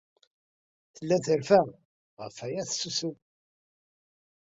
Tella terfa. Ɣef waya ay tsusem.